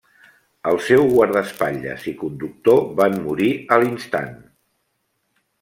El seu guardaespatlles i conductor van morir a l'instant.